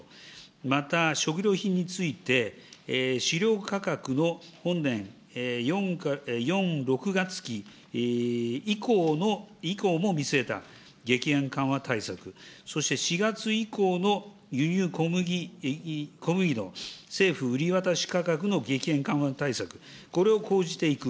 また食料品について、飼料価格の本年４・６月期以降も見据えた激変緩和対策、そして４月以降の輸入小麦の政府売渡価格の激変緩和対策、これを講じていく。